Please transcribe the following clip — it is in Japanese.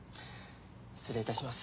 失礼いたします。